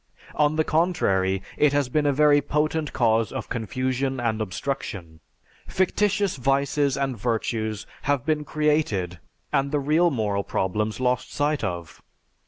On the contrary, it has been a very potent cause of confusion and obstruction. Fictitious vices and virtues have been created and the real moral problems lost sight of.